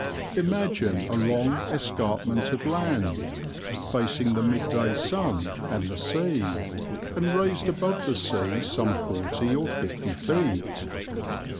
Imagine a long escarpment of land, facing the midday sun and the sea, and raised above the sea some forty or fifty feet.